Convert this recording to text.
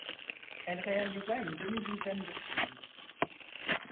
Elle réalisa une demi-douzaine de films.